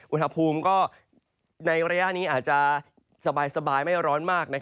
อุณหภูมิก็ในระยะนี้อาจจะสบายไม่ร้อนมาก